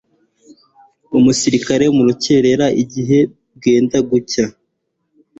umuseke mu rukerera; igihe bwenda gucya